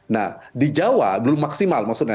nah di jawa belum maksimal maksudnya